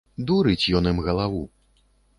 Дурыць ён ім галаву.